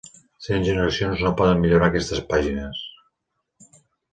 Cent generacions no poden millorar aquestes pàgines.